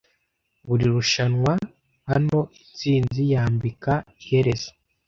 Buri rushanwa - hano intsinzi yambika iherezo